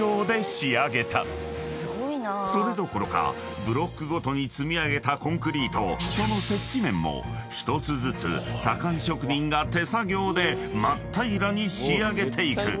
［それどころかブロックごとに積み上げたコンクリートその設置面も１つずつ左官職人が手作業で真っ平らに仕上げていく］